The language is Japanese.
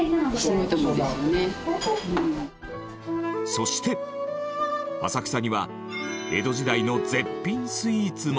そして浅草には江戸時代の絶品スイーツも。